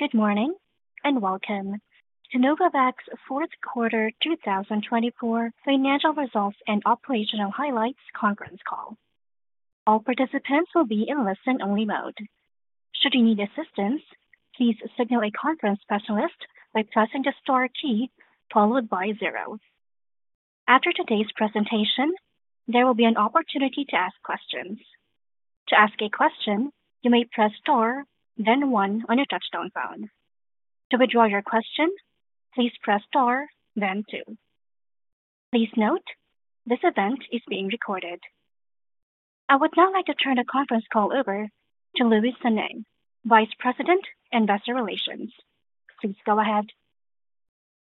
Good morning and welcome to Novavax Q4 2024 Financial Results and Operational Highlights Conference Call. All participants will be in listen-only mode. Should you need assistance, please signal a conference specialist by pressing the star key followed by zero. After today's presentation, there will be an opportunity to ask questions. To ask a question, you may press star, then one on your touch-tone phone. To withdraw your question, please press star, then two. Please note this event is being recorded. I would now like to turn the conference call over to Luis Sanay, Vice President, Investor Relations. Please go ahead.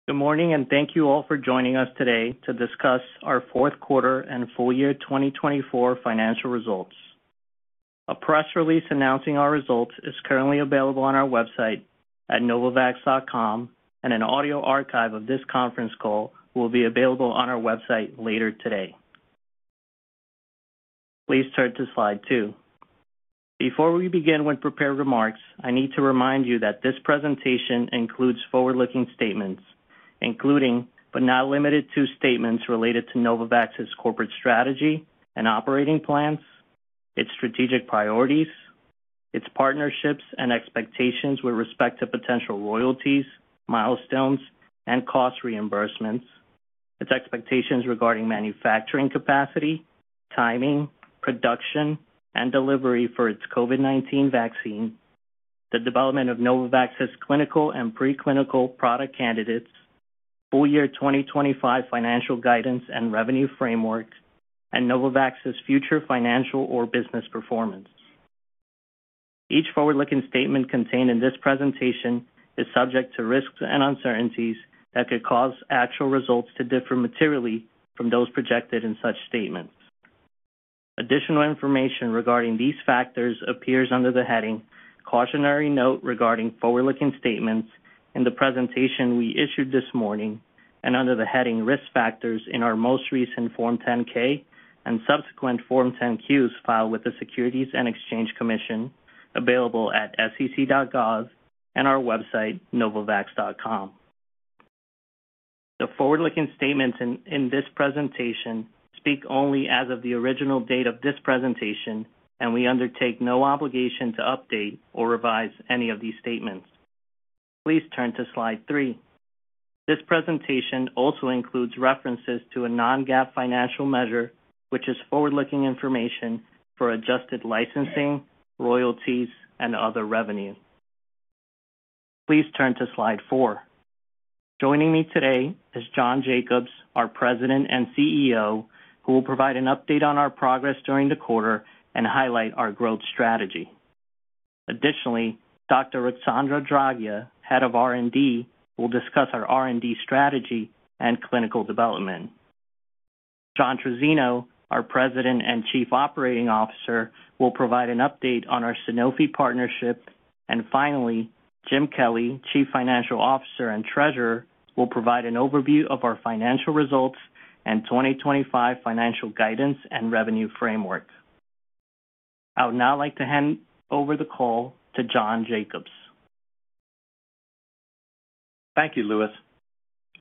Good morning and thank you all for joining us today to discuss our Q4 and full year 2024 financial results. A press release announcing our results is currently available on our website at novavax.com, and an audio archive of this conference call will be available on our website later today. Please turn to Slide 2. Before we begin with prepared remarks, I need to remind you that this presentation includes forward-looking statements, including but not limited to statements related to Novavax's corporate strategy and operating plans, its strategic priorities, its partnerships and expectations with respect to potential royalties, milestones, and cost reimbursements, its expectations regarding manufacturing capacity, timing, production, and delivery for its COVID-19 vaccine, the development of Novavax's clinical and preclinical product candidates, full year 2025 financial guidance and revenue framework, and Novavax's future financial or business performance. Each forward-looking statement contained in this presentation is subject to risks and uncertainties that could cause actual results to differ materially from those projected in such statements. Additional information regarding these factors appears under the heading "Cautionary Note Regarding Forward-Looking Statements" in the presentation we issued this morning, and under the heading "Risk Factors" in our most recent Form 10-K and subsequent Form 10-Qs filed with the Securities and Exchange Commission, available at sec.gov and our website, novavax.com. The forward-looking statements in this presentation speak only as of the original date of this presentation, and we undertake no obligation to update or revise any of these statements. Please turn to Slide 3. This presentation also includes references to a non-GAAP financial measure, which is forward-looking information for adjusted licensing, royalties, and other revenue. Please turn to Slide 4. Joining me today is John Jacobs, our President and CEO, who will provide an update on our progress during the quarter and highlight our growth strategy. Additionally, Dr. Ruxandra Draghia, Head of R&D, will discuss our R&D strategy and clinical development. John Trizzino, our President and Chief Operating Officer, will provide an update on our Sanofi partnership, and finally, Jim Kelly, Chief Financial Officer and Treasurer, will provide an overview of our financial results and 2025 financial guidance and revenue framework. I would now like to hand over the call to John Jacobs. Thank you, Luis.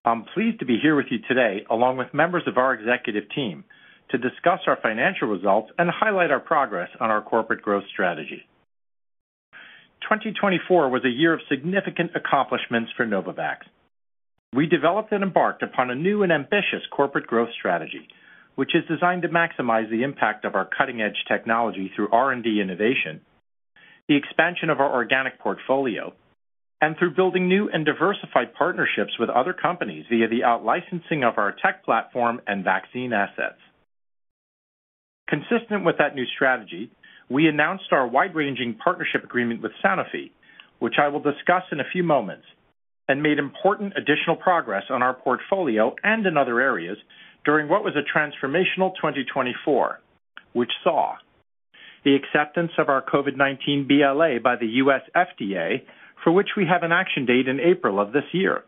I'm pleased to be here with you today, along with members of our executive team, to discuss our financial results and highlight our progress on our corporate growth strategy. 2024 was a year of significant accomplishments for Novavax. We developed and embarked upon a new and ambitious corporate growth strategy, which is designed to maximize the impact of our cutting-edge technology through R&D innovation, the expansion of our organic portfolio, and through building new and diversified partnerships with other companies via the out-licensing of our tech platform and vaccine assets. Consistent with that new strategy, we announced our wide-ranging partnership agreement with Sanofi, which I will discuss in a few moments, and made important additional progress on our portfolio and in other areas during what was a transformational 2024, which saw the acceptance of our COVID-19 BLA by the U.S. FDA, for which we have an action date in April of this year,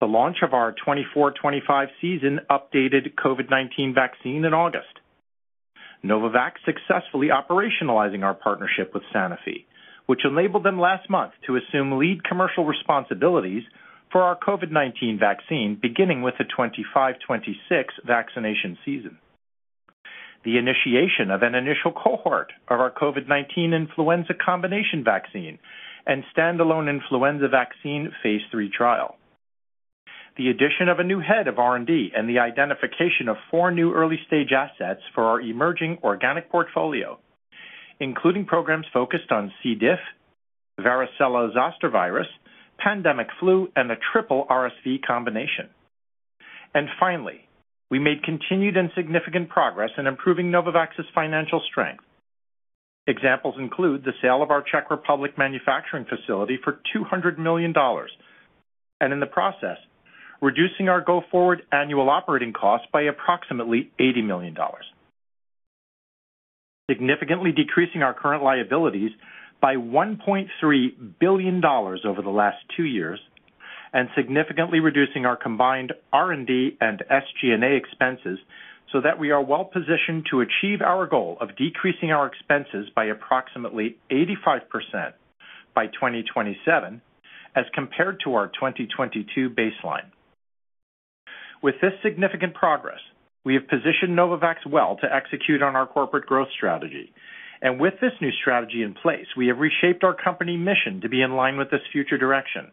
the launch of our 2024-2025 season updated COVID-19 vaccine in August, Novavax successfully operationalizing our partnership with Sanofi, which enabled them last month to assume lead commercial responsibilities for our COVID-19 vaccine, beginning with the 2025-2026 vaccination season, the initiation of an initial cohort of our COVID-19 influenza combination vaccine and standalone influenza vaccine Phase III trial, the addition of a new head of R&D, and the identification of four new early-stage assets for our emerging organic portfolio, including programs focused on C. diff, varicella-zoster virus, pandemic flu, and the triple RSV combination. Finally, we made continued and significant progress in improving Novavax's financial strength. Examples include the sale of our Czech Republic manufacturing facility for $200 million, and in the process, reducing our go forward annual operating costs by approximately $80 million, significantly decreasing our current liabilities by $1.3 billion over the last two years, and significantly reducing our combined R&D and SG&A expenses so that we are well positioned to achieve our goal of decreasing our expenses by approximately 85% by 2027, as compared to our 2022 baseline. With this significant progress, we have positioned Novavax well to execute on our corporate growth strategy. With this new strategy in place, we have reshaped our company mission to be in line with this future direction.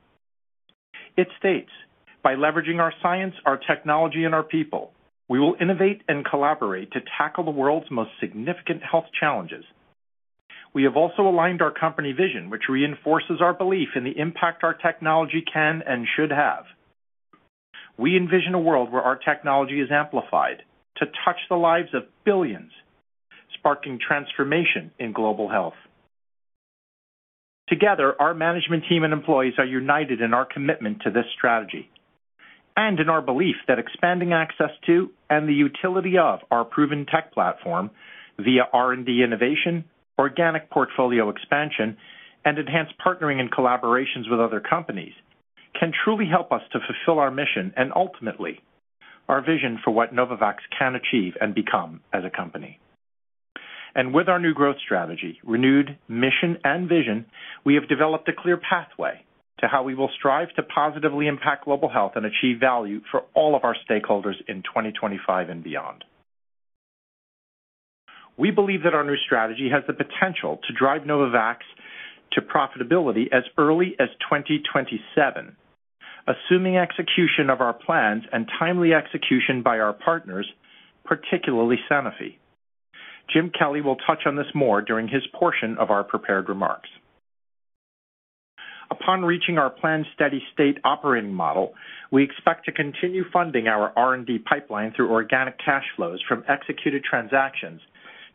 It states, "By leveraging our science, our technology, and our people, we will innovate and collaborate to tackle the world's most significant health challenges." We have also aligned our company vision, which reinforces our belief in the impact our technology can and should have. We envision a world where our technology is amplified to touch the lives of billions, sparking transformation in global health. Together, our management team and employees are united in our commitment to this strategy and in our belief that expanding access to and the utility of our proven tech platform via R&D innovation, organic portfolio expansion, and enhanced partnering and collaborations with other companies can truly help us to fulfill our mission and ultimately our vision for what Novavax can achieve and become as a company. And with our new growth strategy, renewed mission and vision, we have developed a clear pathway to how we will strive to positively impact global health and achieve value for all of our stakeholders in 2025 and beyond. We believe that our new strategy has the potential to drive Novavax to profitability as early as 2027, assuming execution of our plans and timely execution by our partners, particularly Sanofi. Jim Kelly will touch on this more during his portion of our prepared remarks. Upon reaching our planned steady-state operating model, we expect to continue funding our R&D pipeline through organic cash flows from executed transactions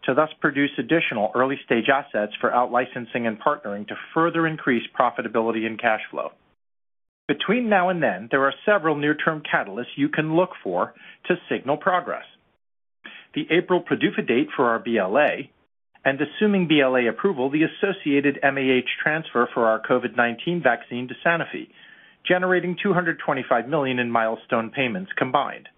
to thus produce additional early-stage assets for out-licensing and partnering to further increase profitability and cash flow. Between now and then, there are several near-term catalysts you can look for to signal progress: the April PDUFA date for our BLA, and assuming BLA approval, the associated MAH transfer for our COVID-19 vaccine to Sanofi, generating $225 million in milestone payments combined.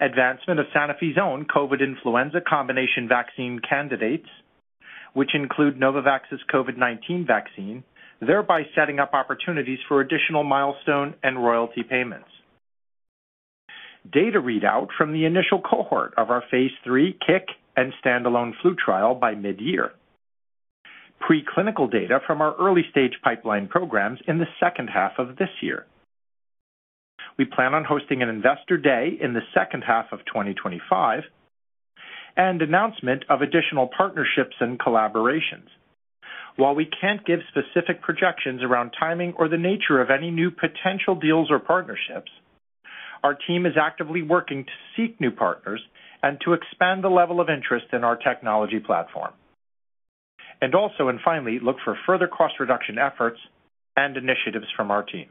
Advancement of Sanofi's own COVID influenza combination vaccine candidates, which include Novavax's COVID-19 vaccine, thereby setting up opportunities for additional milestone and royalty payments. Data readout from the initial cohort of our Phase III CIC and standalone flu trial by mid-year. Preclinical data from our early-stage pipeline programs in the second half of this year. We plan on hosting an investor day in the second half of 2025 and announcement of additional partnerships and collaborations. While we can't give specific projections around timing or the nature of any new potential deals or partnerships, our team is actively working to seek new partners and to expand the level of interest in our technology platform, and also and finally look for further cost reduction efforts and initiatives from our team.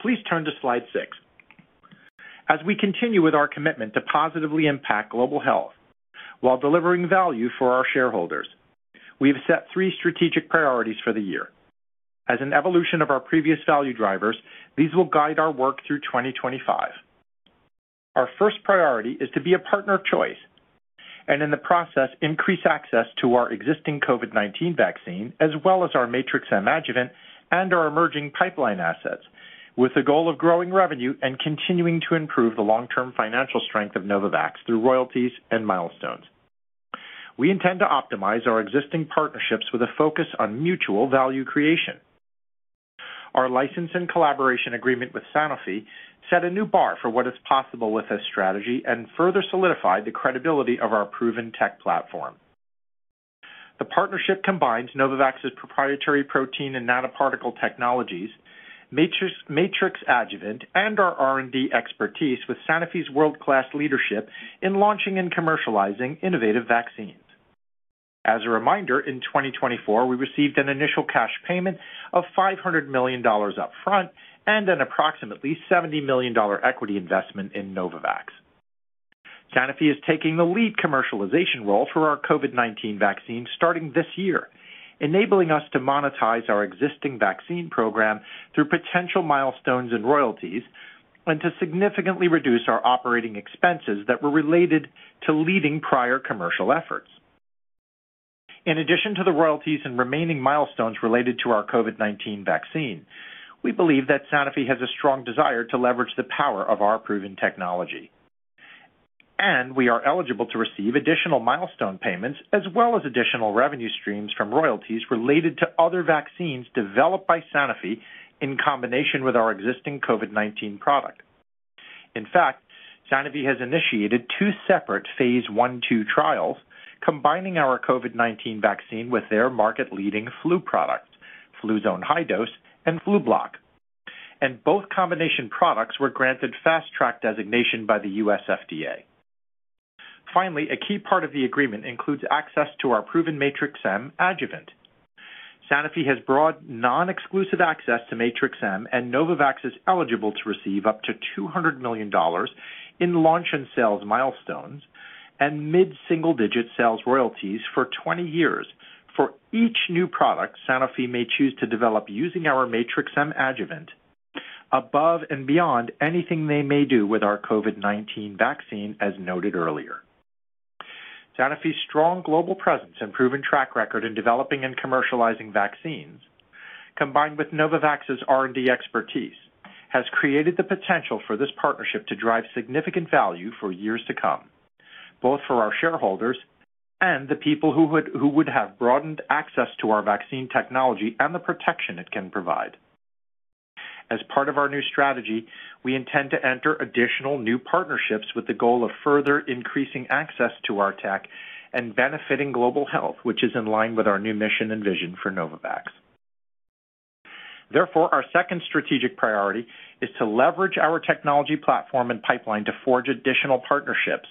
Please turn to Slide 6. As we continue with our commitment to positively impact global health while delivering value for our shareholders, we have set three strategic priorities for the year. As an evolution of our previous value drivers, these will guide our work through 2025. Our first priority is to be a partner of choice and in the process, increase access to our existing COVID-19 vaccine as well as our Matrix adjuvant and our emerging pipeline assets, with the goal of growing revenue and continuing to improve the long-term financial strength of Novavax through royalties and milestones. We intend to optimize our existing partnerships with a focus on mutual value creation. Our license and collaboration agreement with Sanofi set a new bar for what is possible with this strategy and further solidified the credibility of our proven tech platform. The partnership combines Novavax's proprietary protein and nanoparticle technologies, Matrix adjuvant, and our R&D expertise with Sanofi's world-class leadership in launching and commercializing innovative vaccines. As a reminder, in 2024, we received an initial cash payment of $500 million upfront and an approximately $70 million equity investment in Novavax. Sanofi is taking the lead commercialization role for our COVID-19 vaccine starting this year, enabling us to monetize our existing vaccine program through potential milestones and royalties and to significantly reduce our operating expenses that were related to leading prior commercial efforts. In addition to the royalties and remaining milestones related to our COVID-19 vaccine, we believe that Sanofi has a strong desire to leverage the power of our proven technology, and we are eligible to receive additional milestone payments as well as additional revenue streams from royalties related to other vaccines developed by Sanofi in combination with our existing COVID-19 product. In fact, Sanofi has initiated two separate Phase 1/2 trials combining our COVID-19 vaccine with their market-leading flu product, Fluzone High-Dose and Flublok, and both combination products were granted fast-track designation by the U.S. FDA. Finally, a key part of the agreement includes access to our proven Matrix-M adjuvant. Sanofi has broad non-exclusive access to Matrix-M and Novavax is eligible to receive up to $200 million in launch and sales milestones and mid-single-digit sales royalties for 20 years for each new product Sanofi may choose to develop using our Matrix-M adjuvant above and beyond anything they may do with our COVID-19 vaccine, as noted earlier. Sanofi's strong global presence and proven track record in developing and commercializing vaccines, combined with Novavax's R&D expertise, has created the potential for this partnership to drive significant value for years to come, both for our shareholders and the people who would have broadened access to our vaccine technology and the protection it can provide. As part of our new strategy, we intend to enter additional new partnerships with the goal of further increasing access to our tech and benefiting global health, which is in line with our new mission and vision for Novavax. Therefore, our second strategic priority is to leverage our technology platform and pipeline to forge additional partnerships.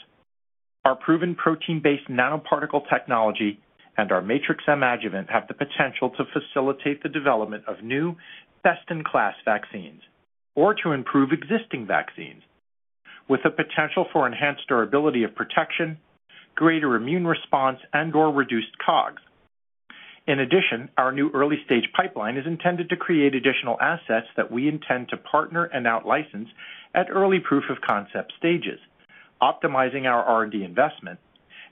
Our proven protein-based nanoparticle technology and our matrix adjuvant have the potential to facilitate the development of new best-in-class vaccines or to improve existing vaccines, with a potential for enhanced durability of protection, greater immune response, and/or reduced COGS. In addition, our new early-stage pipeline is intended to create additional assets that we intend to partner and out-license at early proof of concept stages, optimizing our R&D investment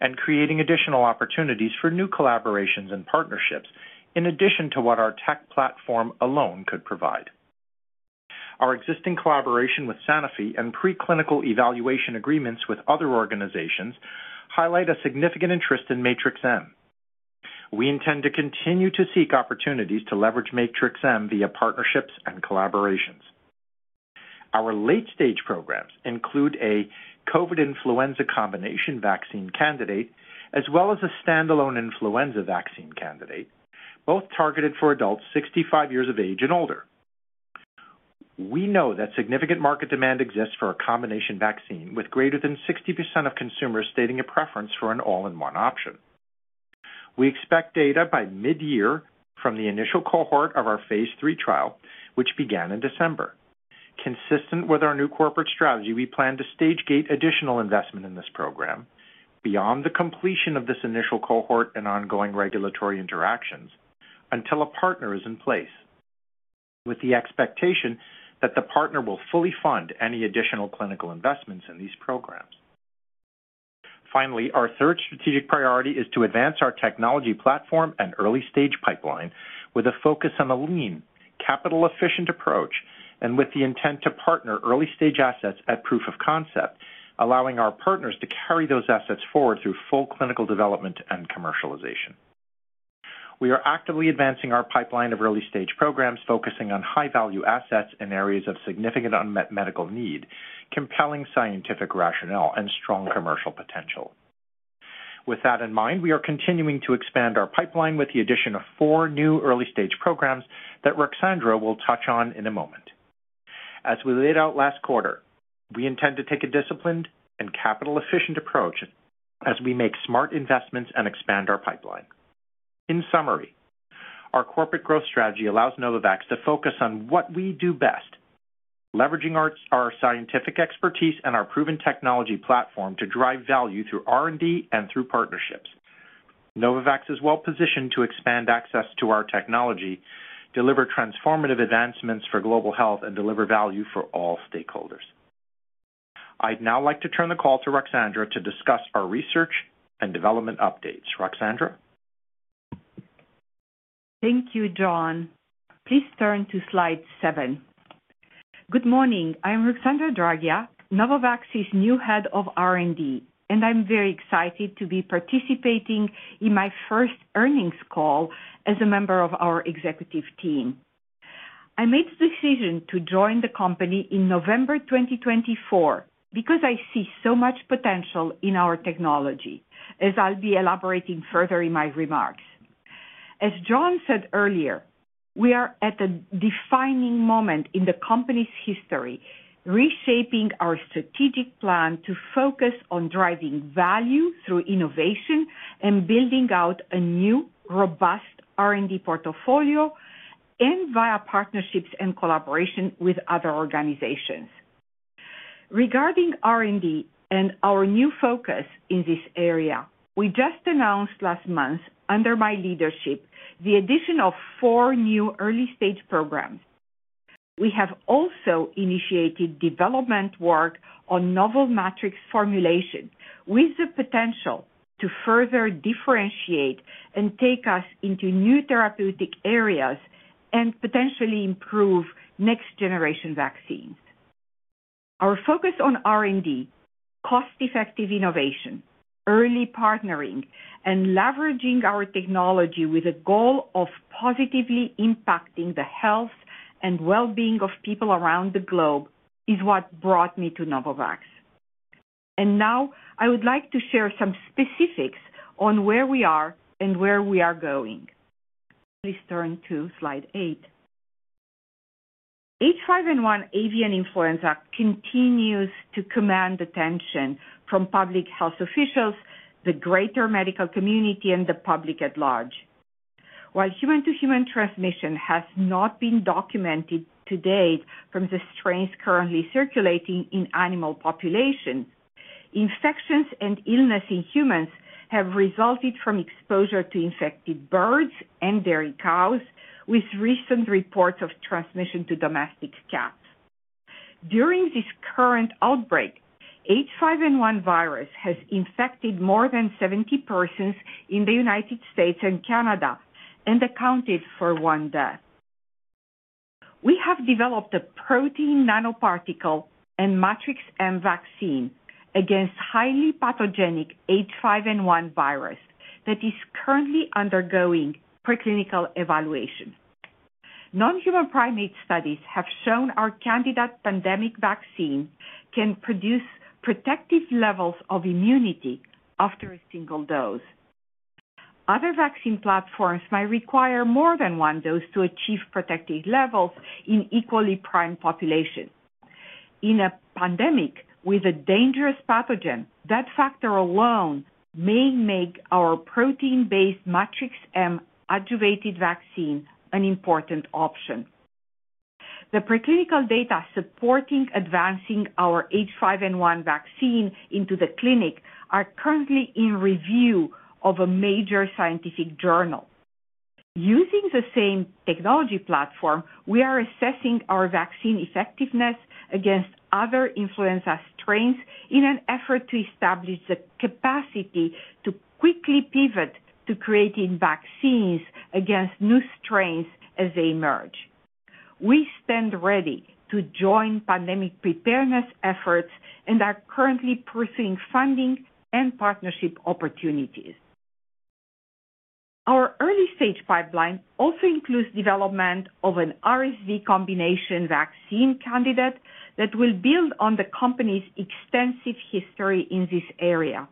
and creating additional opportunities for new collaborations and partnerships in addition to what our tech platform alone could provide. Our existing collaboration with Sanofi and preclinical evaluation agreements with other organizations highlight a significant interest in Matrix-M. We intend to continue to seek opportunities to leverage Matrix-M via partnerships and collaborations. Our late-stage programs include a COVID influenza combination vaccine candidate, as well as a standalone influenza vaccine candidate, both targeted for adults 65 years of age and older. We know that significant market demand exists for a combination vaccine, with greater than 60% of consumers stating a preference for an all-in-one option. We expect data by mid-year from the initial cohort of our Phase III trial, which began in December. Consistent with our new corporate strategy, we plan to stage gate additional investment in this program beyond the completion of this initial cohort and ongoing regulatory interactions until a partner is in place, with the expectation that the partner will fully fund any additional clinical investments in these programs. Finally, our third strategic priority is to advance our technology platform and early-stage pipeline with a focus on a lean, capital-efficient approach and with the intent to partner early-stage assets at proof of concept, allowing our partners to carry those assets forward through full clinical development and commercialization. We are actively advancing our pipeline of early-stage programs focusing on high-value assets in areas of significant unmet medical need, compelling scientific rationale, and strong commercial potential. With that in mind, we are continuing to expand our pipeline with the addition of four new early-stage programs that Ruxandra will touch on in a moment. As we laid out last quarter, we intend to take a disciplined and capital-efficient approach as we make smart investments and expand our pipeline. In summary, our corporate growth strategy allows Novavax to focus on what we do best, leveraging our scientific expertise and our proven technology platform to drive value through R&D and through partnerships. Novavax is well positioned to expand access to our technology, deliver transformative advancements for global health, and deliver value for all stakeholders. I'd now like to turn the call to Ruxandra to discuss our research and development updates. Ruxandra? Thank you, John. Please turn to Slide 7. Good morning. I'm Ruxandra Draghia, Novavax's new head of R&D, and I'm very excited to be participating in my first earnings call as a member of our executive team. I made the decision to join the company in November 2024 because I see so much potential in our technology, as I'll be elaborating further in my remarks. As John said earlier, we are at a defining moment in the company's history, reshaping our strategic plan to focus on driving value through innovation and building out a new, robust R&D portfolio and via partnerships and collaboration with other organizations. Regarding R&D and our new focus in this area, we just announced last month, under my leadership, the addition of four new early-stage programs. We have also initiated development work on novel matrix formulation with the potential to further differentiate and take us into new therapeutic areas and potentially improve next-generation vaccines. Our focus on R&D, cost-effective innovation, early partnering, and leveraging our technology with a goal of positively impacting the health and well-being of people around the globe is what brought me to Novavax. And now, I would like to share some specifics on where we are and where we are going. Please turn to Slide 8. H5N1 avian influenza continues to command attention from public health officials, the greater medical community, and the public at large. While human-to-human transmission has not been documented to date from the strains currently circulating in animal populations, infections and illness in humans have resulted from exposure to infected birds and dairy cows, with recent reports of transmission to domestic cats. During this current outbreak, H5N1 virus has infected more than 70 persons in the United States and Canada and accounted for one death. We have developed a protein nanoparticle and Matrix-M vaccine against highly pathogenic H5N1 virus that is currently undergoing preclinical evaluation. Non-human primate studies have shown our candidate pandemic vaccine can produce protective levels of immunity after a single dose. Other vaccine platforms might require more than one dose to achieve protective levels in equally prime populations. In a pandemic with a dangerous pathogen, that factor alone may make our protein-based Matrix-M adjuvanted vaccine an important option. The preclinical data supporting advancing our H5N1 vaccine into the clinic are currently in review of a major scientific journal. Using the same technology platform, we are assessing our vaccine effectiveness against other influenza strains in an effort to establish the capacity to quickly pivot to creating vaccines against new strains as they emerge. We stand ready to join pandemic preparedness efforts and are currently pursuing funding and partnership opportunities. Our early-stage pipeline also includes development of an RSV combination vaccine candidate that will build on the company's extensive history in this area.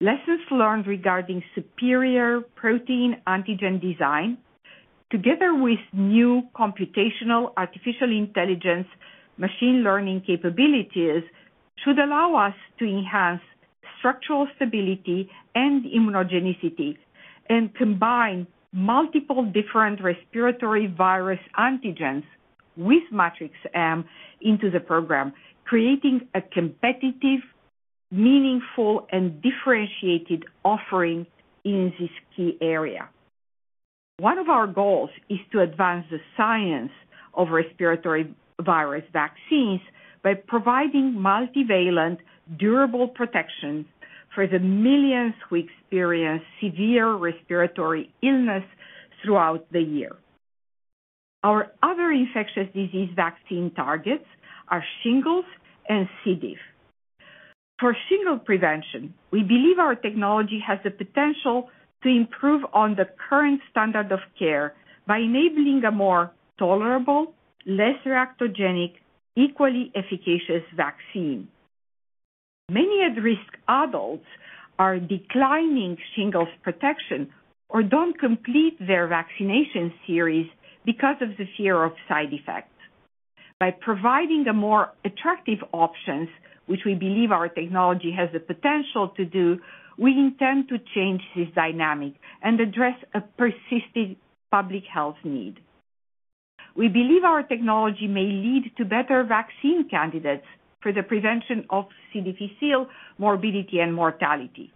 Lessons learned regarding superior protein antigen design, together with new computational artificial intelligence machine learning capabilities, should allow us to enhance structural stability and immunogenicity and combine multiple different respiratory virus antigens with Matrix-M into the program, creating a competitive, meaningful, and differentiated offering in this key area. One of our goals is to advance the science of respiratory virus vaccines by providing multi-valent, durable protection for the millions who experience severe respiratory illness throughout the year. Our other infectious disease vaccine targets are shingles and C. diff. For shingles prevention, we believe our technology has the potential to improve on the current standard of care by enabling a more tolerable, less reactogenic, equally efficacious vaccine. Many at-risk adults are declining shingles protection or don't complete their vaccination series because of the fear of side effects. By providing more attractive options, which we believe our technology has the potential to do, we intend to change this dynamic and address a persistent public health need. We believe our technology may lead to better vaccine candidates for the prevention of C. diff morbidity and mortality.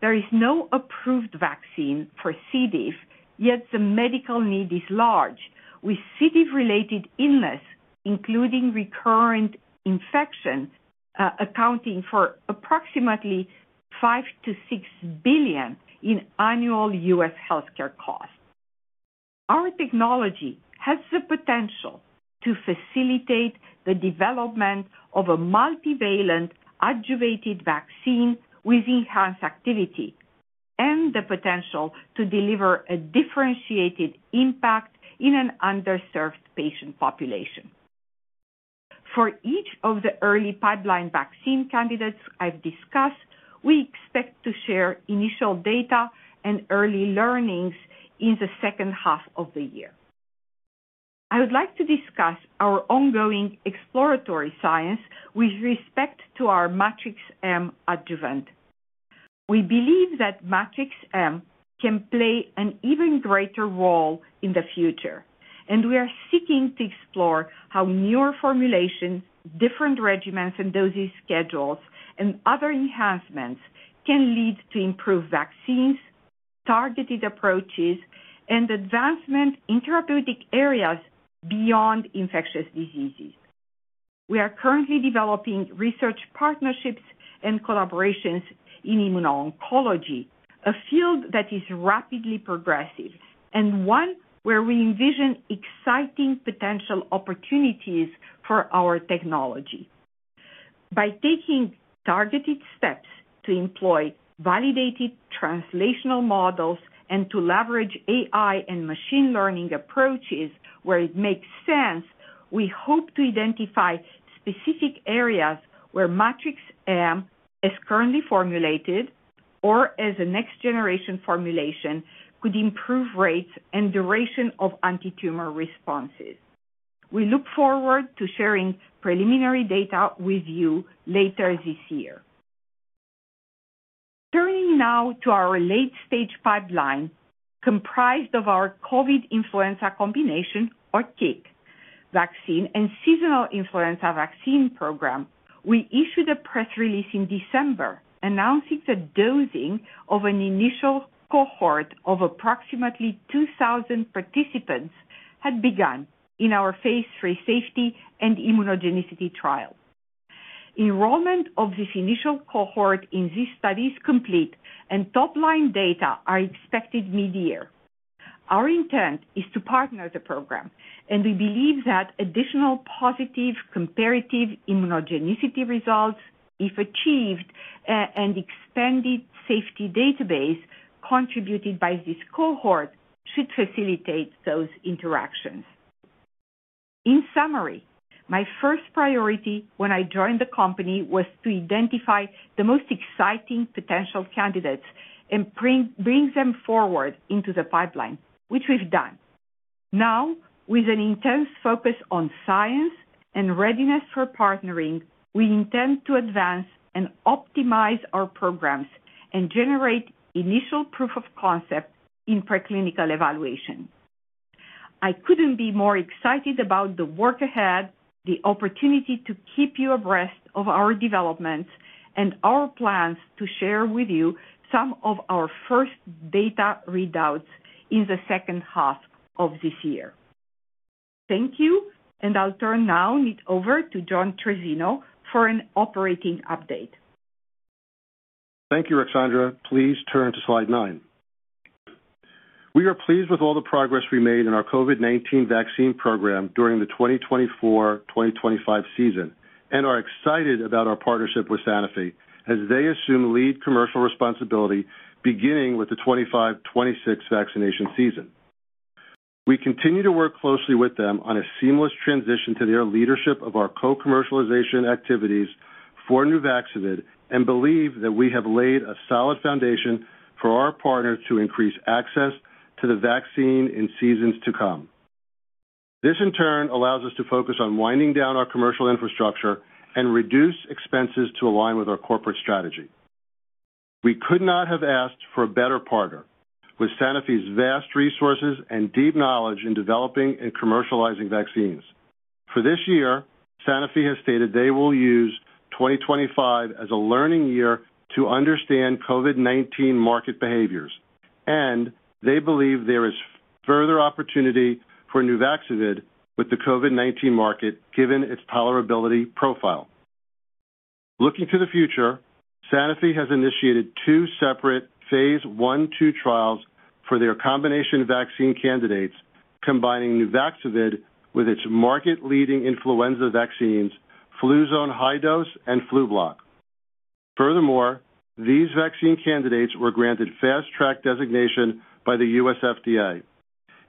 There is no approved vaccine for C. diff, yet the medical need is large, with C. diff-related illness, including recurrent infections, accounting for approximately $5-6 billion in annual U.S. healthcare costs. Our technology has the potential to facilitate the development of a multi-valent, adjuvanted vaccine with enhanced activity and the potential to deliver a differentiated impact in an underserved patient population. For each of the early pipeline vaccine candidates I've discussed, we expect to share initial data and early learnings in the second half of the year. I would like to discuss our ongoing exploratory science with respect to our Matrix-M adjuvant. We believe that Matrix-M can play an even greater role in the future, and we are seeking to explore how newer formulations, different regimens and dosage schedules, and other enhancements can lead to improved vaccines, targeted approaches, and advancement in therapeutic areas beyond infectious diseases. We are currently developing research partnerships and collaborations in immuno-oncology, a field that is rapidly progressive and one where we envision exciting potential opportunities for our technology. By taking targeted steps to employ validated translational models and to leverage AI and machine learning approaches where it makes sense, we hope to identify specific areas where Matrix-M, as currently formulated or as a next-generation formulation, could improve rates and duration of anti-tumor responses. We look forward to sharing preliminary data with you later this year. Turning now to our late-stage pipeline, comprised of our COVID influenza combination, or CIC, vaccine and seasonal influenza vaccine program, we issued a press release in December announcing the dosing of an initial cohort of approximately 2,000 participants had begun in our Phase III safety and immunogenicity trial. Enrollment of this initial cohort in these studies is complete, and top-line data are expected mid-year. Our intent is to partner the program, and we believe that additional positive comparative immunogenicity results, if achieved, and expanded safety database contributed by this cohort should facilitate those interactions. In summary, my first priority when I joined the company was to identify the most exciting potential candidates and bring them forward into the pipeline, which we've done. Now, with an intense focus on science and readiness for partnering, we intend to advance and optimize our programs and generate initial proof of concept in preclinical evaluation. I couldn't be more excited about the work ahead, the opportunity to keep you abreast of our developments, and our plans to share with you some of our first data readouts in the second half of this year. Thank you, and I'll turn now over to John Trizzino for an operating update. Thank you, Ruxandra. Please turn to slide nine. We are pleased with all the progress we made in our COVID-19 vaccine program during the 2024-2025 season and are excited about our partnership with Sanofi as they assume lead commercial responsibility beginning with the 2025-2026 vaccination season. We continue to work closely with them on a seamless transition to their leadership of our co-commercialization activities for Nuvaxovid and believe that we have laid a solid foundation for our partners to increase access to the vaccine in seasons to come. This, in turn, allows us to focus on winding down our commercial infrastructure and reduce expenses to align with our corporate strategy. We could not have asked for a better partner with Sanofi's vast resources and deep knowledge in developing and commercializing vaccines. For this year, Sanofi has stated they will use 2025 as a learning year to understand COVID-19 market behaviors, and they believe there is further opportunity for Nuvaxovid with the COVID-19 market given its tolerability profile. Looking to the future, Sanofi has initiated two separate Phase I-II trials for their combination vaccine candidates, combining Nuvaxovid with its market-leading influenza vaccines, Fluzone High-Dose and Flublok. Furthermore, these vaccine candidates were granted fast-track designation by the U.S. FDA.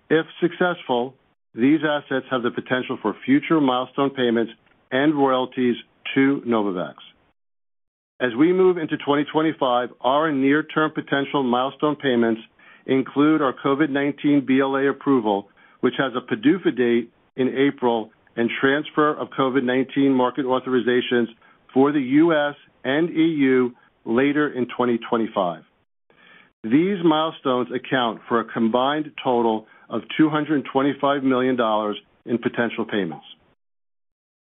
If successful, these assets have the potential for future milestone payments and royalties to Novavax. As we move into 2025, our near-term potential milestone payments include our COVID-19 BLA approval, which has a PDUFA date in April, and transfer of COVID-19 market authorizations for the U.S. and EU later in 2025. These milestones account for a combined total of $225 million in potential payments.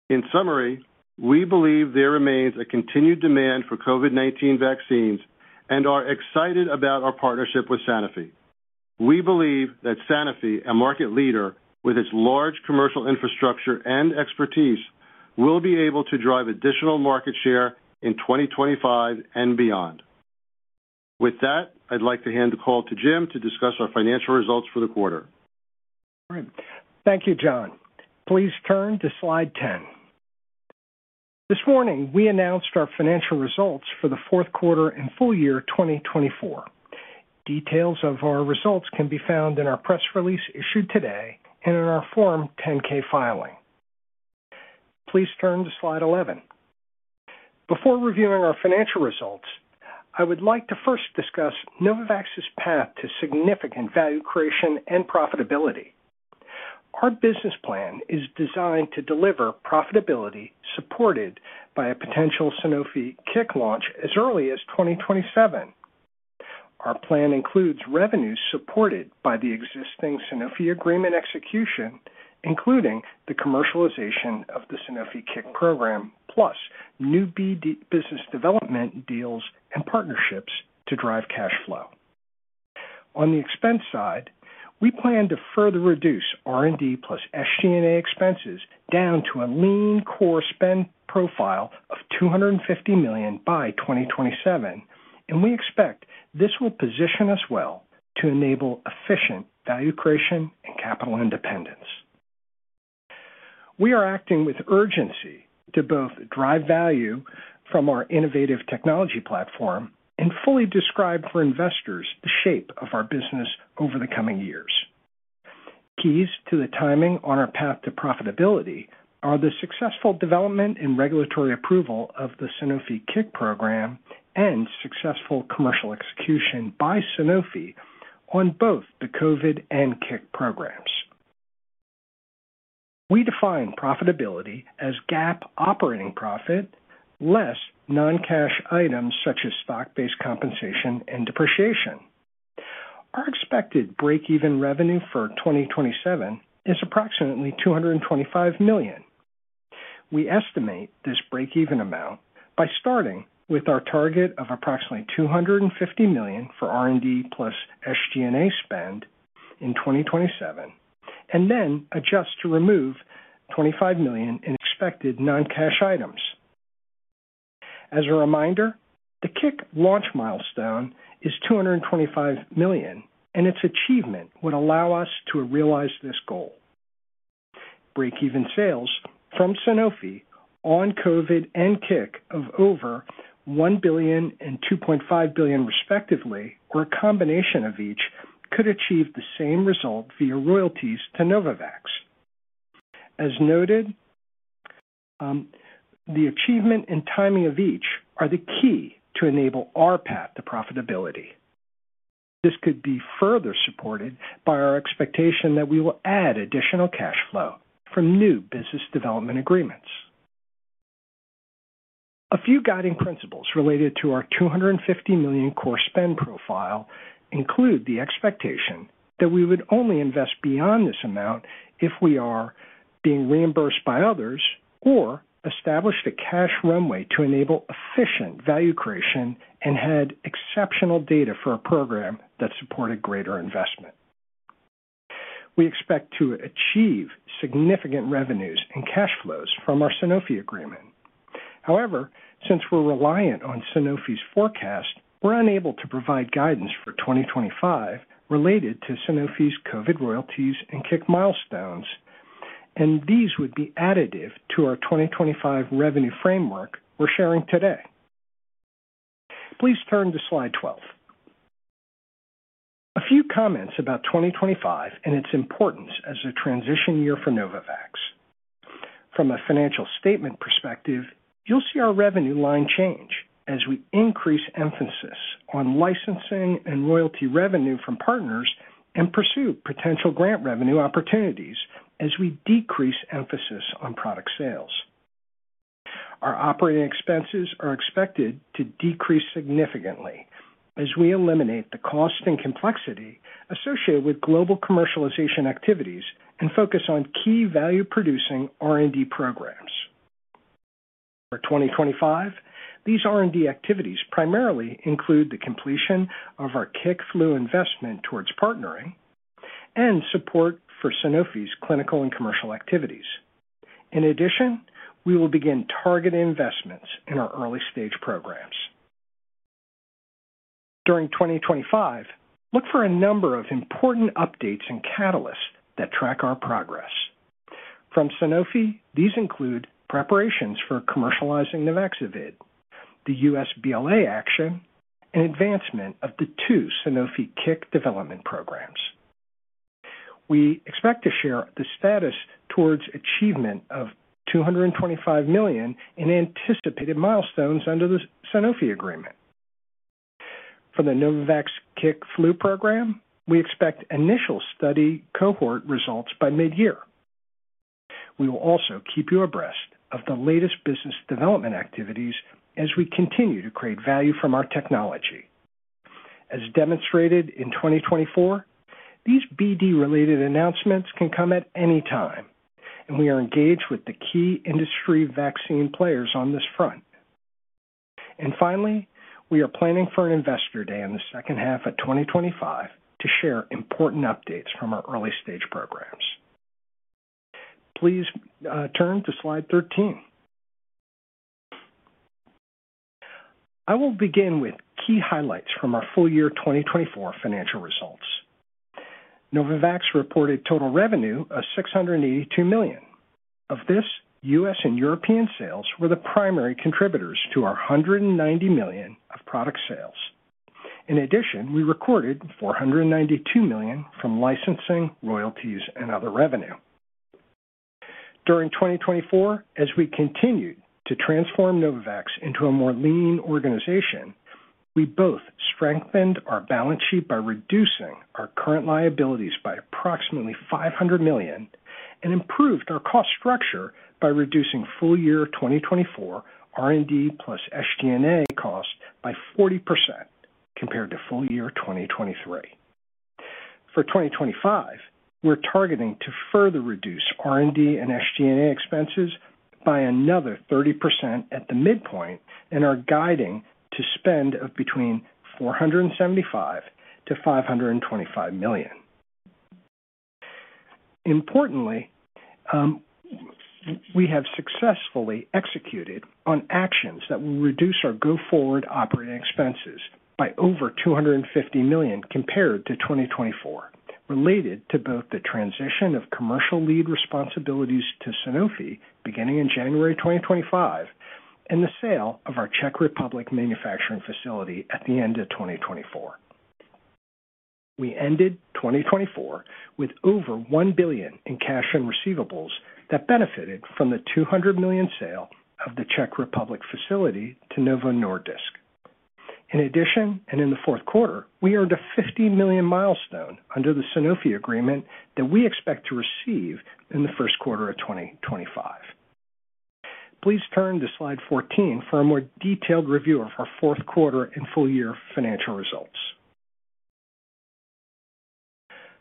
In summary, we believe there remains a continued demand for COVID-19 vaccines and are excited about our partnership with Sanofi. We believe that Sanofi, a market leader with its large commercial infrastructure and expertise, will be able to drive additional market share in 2025 and beyond. With that, I'd like to hand the call to Jim to discuss our financial results for the quarter. All right. Thank you, John. Please turn to Slide 10. This morning, we announced our financial results for the fourth quarter and full year 2024. Details of our results can be found in our press release issued today and in our Form 10-K filing. Please turn to Slide 11. Before reviewing our financial results, I would like to first discuss Novavax's path to significant value creation and profitability. Our business plan is designed to deliver profitability supported by a potential Sanofi CIC launch as early as 2027. Our plan includes revenues supported by the existing Sanofi agreement execution, including the commercialization of the Sanofi CIC program, plus new business development deals and partnerships to drive cash flow. On the expense side, we plan to further reduce R&D plus SG&A expenses down to a lean core spend profile of $250 million by 2027, and we expect this will position us well to enable efficient value creation and capital independence. We are acting with urgency to both drive value from our innovative technology platform and fully describe for investors the shape of our business over the coming years. Keys to the timing on our path to profitability are the successful development and regulatory approval of the Sanofi CIC program and successful commercial execution by Sanofi on both the COVID and CIC programs. We define profitability as GAAP operating profit less non-cash items such as stock-based compensation and depreciation. Our expected break-even revenue for 2027 is approximately $225 million. We estimate this break-even amount by starting with our target of approximately $250 million for R&D plus SG&A spend in 2027 and then adjust to remove $25 million in expected non-cash items. As a reminder, the CIC launch milestone is $225 million, and its achievement would allow us to realize this goal. Break-even sales from Sanofi on COVID and CIC of over $1 billion and $2.5 billion respectively, or a combination of each, could achieve the same result via royalties to Novavax. As noted, the achievement and timing of each are the key to enable our path to profitability. This could be further supported by our expectation that we will add additional cash flow from new business development agreements. A few guiding principles related to our $250 million core spend profile include the expectation that we would only invest beyond this amount if we are being reimbursed by others or establish a cash runway to enable efficient value creation and had exceptional data for a program that supported greater investment. We expect to achieve significant revenues and cash flows from our Sanofi agreement. However, since we're reliant on Sanofi's forecast, we're unable to provide guidance for 2025 related to Sanofi's COVID royalties and CIC milestones, and these would be additive to our 2025 revenue framework we're sharing today. Please turn to Slide 12. A few comments about 2025 and its importance as a transition year for Novavax. From a financial statement perspective, you'll see our revenue line change as we increase emphasis on licensing and royalty revenue from partners and pursue potential grant revenue opportunities as we decrease emphasis on product sales. Our operating expenses are expected to decrease significantly as we eliminate the cost and complexity associated with global commercialization activities and focus on key value-producing R&D programs. For 2025, these R&D activities primarily include the completion of our CIC flu investment towards partnering and support for Sanofi's clinical and commercial activities. In addition, we will begin targeted investments in our early-stage programs. During 2025, look for a number of important updates and catalysts that track our progress. From Sanofi, these include preparations for commercializing Nuvaxovid, the U.S. BLA action, and advancement of the two Sanofi CIC development programs. We expect to share the status towards achievement of $225 million in anticipated milestones under the Sanofi agreement. For the Novavax CIC flu program, we expect initial study cohort results by mid-year. We will also keep you abreast of the latest business development activities as we continue to create value from our technology. As demonstrated in 2024, these BD-related announcements can come at any time, and we are engaged with the key industry vaccine players on this front, and finally, we are planning for an investor day in the second half of 2025 to share important updates from our early-stage programs. Please turn to Slide 13. I will begin with key highlights from our full year 2024 financial results. Novavax reported total revenue of $682 million. Of this, U.S. and European sales were the primary contributors to our $190 million of product sales. In addition, we recorded $492 million from licensing, royalties, and other revenue. During 2024, as we continued to transform Novavax into a more lean organization, we both strengthened our balance sheet by reducing our current liabilities by approximately $500 million and improved our cost structure by reducing full year 2024 R&D plus SG&A cost by 40% compared to full year 2023. For 2025, we're targeting to further reduce R&D and SG&A expenses by another 30% at the midpoint and are guiding to spend of between $475 million-$525 million. Importantly, we have successfully executed on actions that will reduce our go forward operating expenses by over $250 million compared to 2024, related to both the transition of commercial lead responsibilities to Sanofi beginning in January 2025 and the sale of our Czech Republic manufacturing facility at the end of 2024. We ended 2024 with over $1 billion in cash and receivables that benefited from the $200 million sale of the Czech Republic facility to Novo Nordisk. In addition, and in the fourth quarter, we earned a $50 million milestone under the Sanofi agreement that we expect to receive in the first quarter of 2025. Please turn to Slide 14 for a more detailed review of our fourth quarter and full year financial results.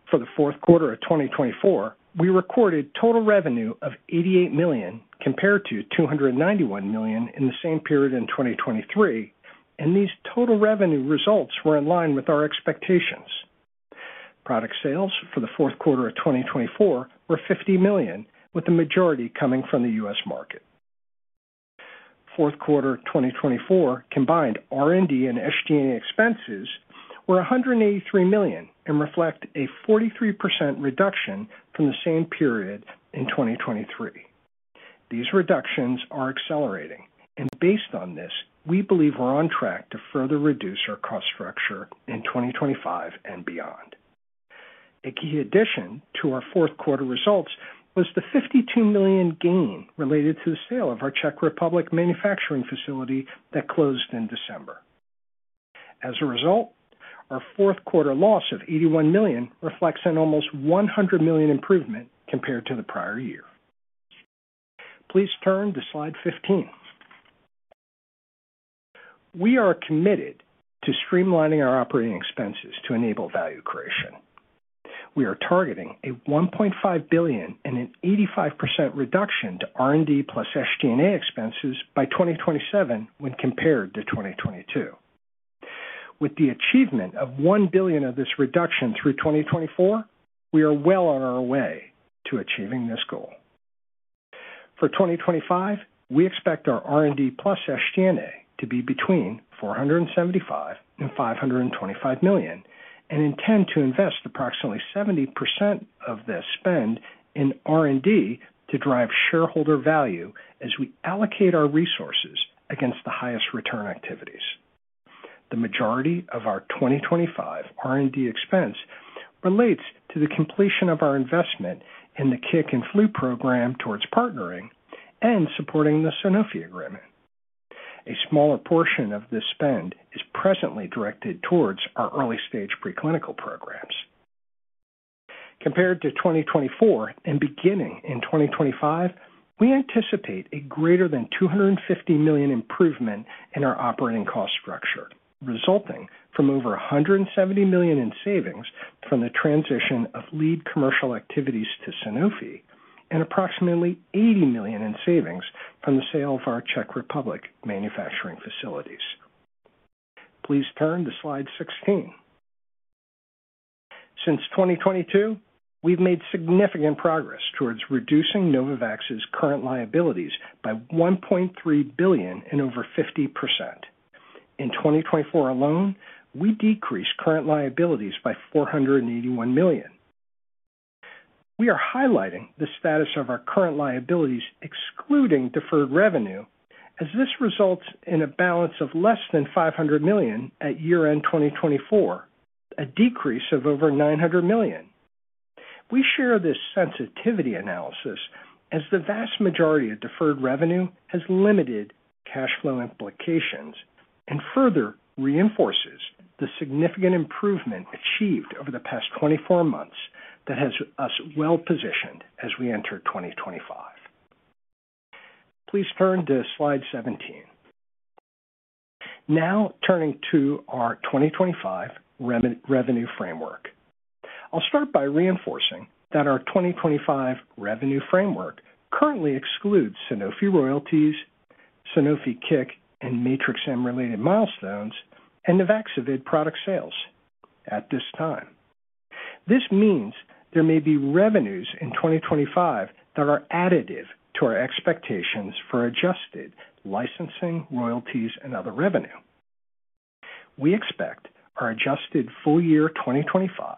For the fourth quarter of 2024, we recorded total revenue of $88 million compared to $291 million in the same period in 2023, and these total revenue results were in line with our expectations. Product sales for the fourth quarter of 2024 were $50 million, with the majority coming from the U.S. market. Fourth quarter 2024 combined R&D and SG&A expenses were $183 million and reflect a 43% reduction from the same period in 2023. These reductions are accelerating, and based on this, we believe we're on track to further reduce our cost structure in 2025 and beyond. A key addition to our fourth quarter results was the $52 million gain related to the sale of our Czech Republic manufacturing facility that closed in December. As a result, our fourth quarter loss of $81 million reflects an almost $100 million improvement compared to the prior year. Please turn to Slide 15. We are committed to streamlining our operating expenses to enable value creation. We are targeting a $1.5 billion and an 85% reduction to R&D plus SG&A expenses by 2027 when compared to 2022. With the achievement of $1 billion of this reduction through 2024, we are well on our way to achieving this goal. For 2025, we expect our R&D plus SG&A to be between $475 million and $525 million and intend to invest approximately 70% of this spend in R&D to drive shareholder value as we allocate our resources against the highest return activities. The majority of our 2025 R&D expense relates to the completion of our investment in the CIC and flu program towards partnering and supporting the Sanofi agreement. A smaller portion of this spend is presently directed towards our early-stage preclinical programs. Compared to 2024 and beginning in 2025, we anticipate a greater than $250 million improvement in our operating cost structure, resulting from over $170 million in savings from the transition of lead commercial activities to Sanofi and approximately $80 million in savings from the sale of our Czech Republic manufacturing facilities. Please turn to Slide 16. Since 2022, we've made significant progress towards reducing Novavax's current liabilities by $1.3 billion and over 50%. In 2024 alone, we decreased current liabilities by $481 million. We are highlighting the status of our current liabilities excluding deferred revenue, as this results in a balance of less than $500 million at year-end 2024, a decrease of over $900 million. We share this sensitivity analysis as the vast majority of deferred revenue has limited cash flow implications and further reinforces the significant improvement achieved over the past 24 months that has us well positioned as we enter 2025. Please turn to Slide 17. Now turning to our 2025 revenue framework. I'll start by reinforcing that our 2025 revenue framework currently excludes Sanofi royalties, Sanofi CIC and Matrix-M related milestones, and Nuvaxovid product sales at this time. This means there may be revenues in 2025 that are additive to our expectations for Adjusted licensing, royalties, and other revenue. We expect our Adjusted full year 2025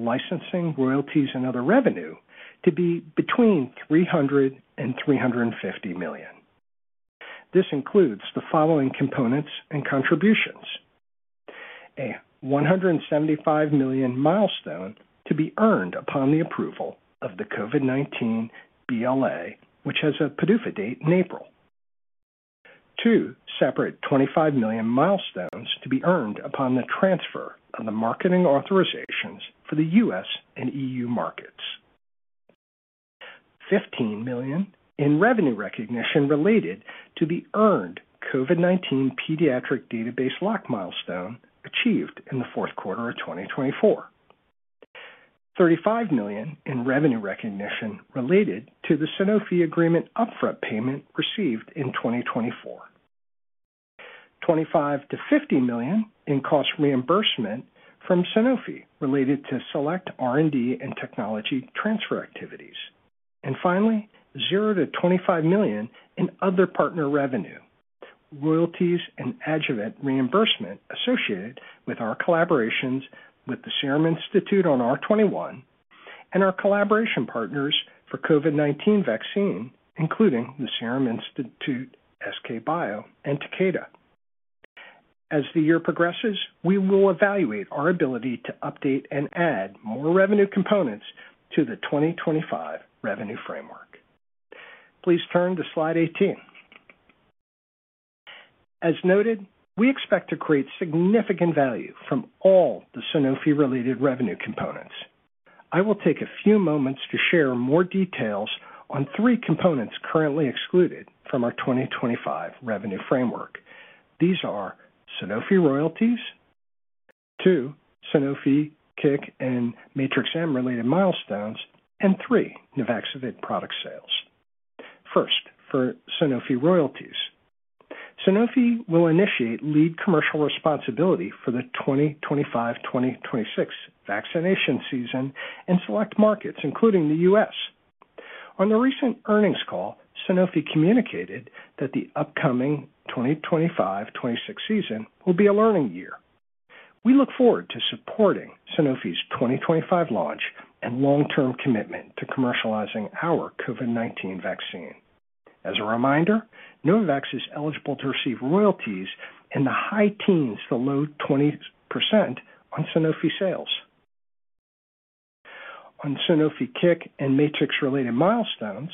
licensing, royalties, and other revenue to be between $300 and $350 million. This includes the following components and contributions: a $175 million milestone to be earned upon the approval of the COVID-19 BLA, which has a PDUFA date in April. Two separate $25 million milestones to be earned upon the transfer of the marketing authorizations for the U.S. and EU markets. $15 million in revenue recognition related to the earned COVID-19 pediatric database lock milestone achieved in the fourth quarter of 2024. $35 million in revenue recognition related to the Sanofi agreement upfront payment received in 2024. $25-$50 million in cost reimbursement from Sanofi related to select R&D and technology transfer activities. And finally, $0-$25 million in other partner revenue, royalties, and adjuvant reimbursement associated with our collaborations with the Serum Institute of India on R21 and our collaboration partners for COVID-19 vaccine, including the Serum Institute of India, SK Bio, and Takeda. As the year progresses, we will evaluate our ability to update and add more revenue components to the 2025 revenue framework. Please turn to Slide 18. As noted, we expect to create significant value from all the Sanofi-related revenue components. I will take a few moments to share more details on three components currently excluded from our 2025 revenue framework. These are Sanofi royalties, two Sanofi CIC and Matrix-M related milestones, and three Nuvaxovid product sales. First, for Sanofi royalties, Sanofi will initiate lead commercial responsibility for the 2025-2026 vaccination season in select markets, including the U.S. On the recent earnings call, Sanofi communicated that the upcoming 2025-2026 season will be a learning year. We look forward to supporting Sanofi's 2025 launch and long-term commitment to commercializing our COVID-19 vaccine. As a reminder, Novavax is eligible to receive royalties in the high teens to low 20% on Sanofi sales. On Sanofi CIC and Matrix-M-related milestones,